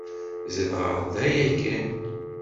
Zedɣeɣ da yakan.